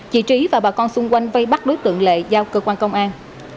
chị trí và bà con xung quanh vây bắt đối tượng lệ giao cơ quan công an